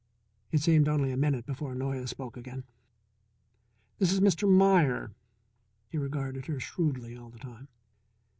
It seemed only a minute before Noyes spoke again: "This is Mr. Meier." He regarded her shrewdly all the time.